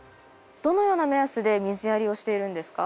どのような目安で水やりをしているんですか？